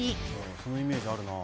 そのイメージあるな。